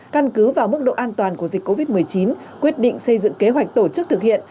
căn cứ vào mức độ an toàn của dịch covid một mươi chín quyết định xây dựng kế hoạch tổ chức thực hiện